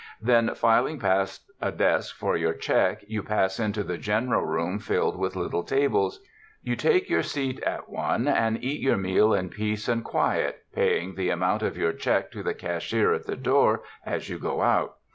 Then, filing past a desk for your check, you pass into the general room filled with little tables. You take your seat at one and eat your meal in peace and quiet, paying the amount of your check to the cashier at the door as you go out.